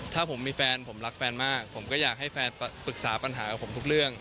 ถ้าผมมีแฟนผมรักแฟนมากผมก็อยากให้แฟนปรึกษาปัญหากับผมทุกเรื่อง